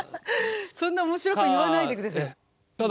そんな面白く言わないでください。か。か。